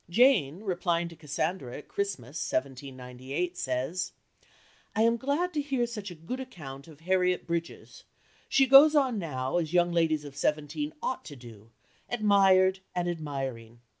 Jane, replying to Cassandra at Christmas 1798, says: "I am glad to hear such a good account of Harriet Bridges; she goes on now as young ladies of seventeen ought to do, admired and admiring....